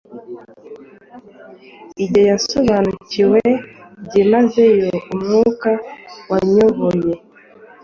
Igihe yasobanukiwe byimazeyo umwuka wanyoboye